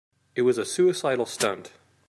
It was a suicidal stunt.